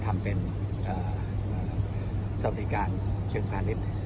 ทำเป็นสวัสดิการเชิงพาณิชย์